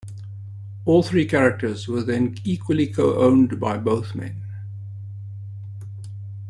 All three characters were then equally co-owned by both men.